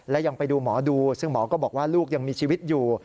และยังไปดูหมอดูซึ่งหมอก็บอกว่าลูกยังมีชีวิตอยู่